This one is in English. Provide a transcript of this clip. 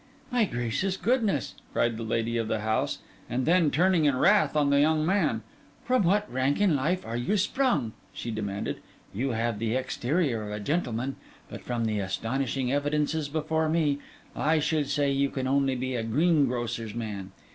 'My gracious goodness!' cried the lady of the house; and then, turning in wrath on the young man, 'From what rank in life are you sprung?' she demanded. 'You have the exterior of a gentleman; but from the astonishing evidences before me, I should say you can only be a greengrocer's man.